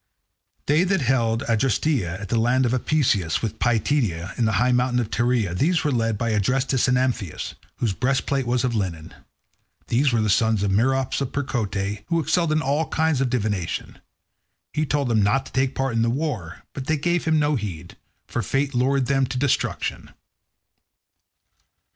They that held Adresteia and the land of Apaesus, with Pityeia, and the high mountain of Tereia—these were led by Adrestus and Amphius, whose breastplate was of linen. These were the sons of Merops of Percote, who excelled in all kinds of divination. He told them not to take part in the war, but they gave him no heed, for fate lured them to destruction.